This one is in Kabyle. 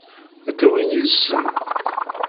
Ad t-awin yid-sen?